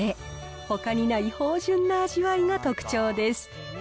ほかにない芳じゅんな味わいが特長です。